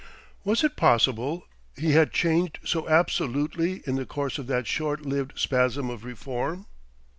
Was it possible he had changed so absolutely in the course of that short lived spasm of reform?